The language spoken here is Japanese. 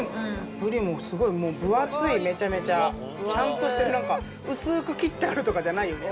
ブリもすごい分厚いめちゃめちゃちゃんとしてる何か薄く切ってあるとかじゃないよね